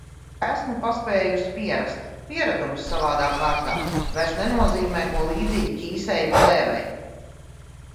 Esmu paspējusi pierast. Pieradums, savādā kārtā, vairs nenozīmē ko līdzīgu ķīseļa plēvei.